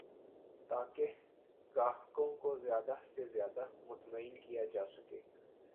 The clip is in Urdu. تاکہ گاہکوں کو زیادہ سے زیادہ مطمئن کیا جا سکے